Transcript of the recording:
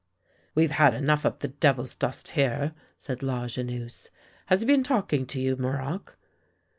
" We've had enough of the devil's dust here," said Lajeunesse. " Has he been talking to you, Muroc?